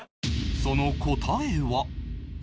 その答えは